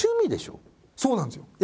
そうなんですよ！